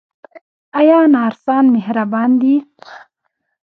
آیا نرسان مهربان دي؟